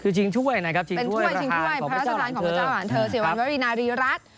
คือชิงถ้วยนะครับชิงถ้วยประทานของพระเจ้าหลังเทอร์ครับครับสิริวัณวาลีนารีรัฐ